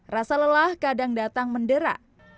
rasa lelah kadang datang mendera